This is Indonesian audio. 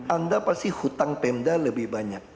anda pasti hutang pemda lebih banyak